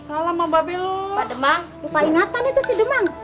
bapak demang lupa ingatan itu si demang